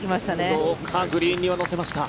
どうかグリーンには乗せました。